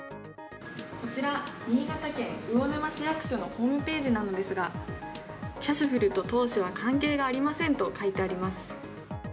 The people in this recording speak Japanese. こちら、新潟県魚沼市役所のホームページですがキャシュふると当市は関係がありませんと書いてあります。